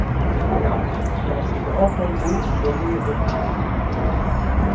Là, dans ces grands tombeaux nommés Religions